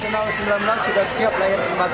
nasional u sembilan belas sudah siap lahir kembali